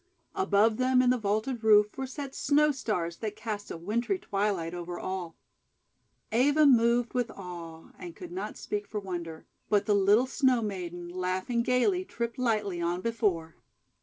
Above them in the vaulted roof were set Snow Stars that cast a wintry twilight over all. Eva moved with awe and could not speak for wonder; but the little Snow Maiden, laughing GARDEN OF FROST FLOWERS 307 gayly, tripped lightly on before.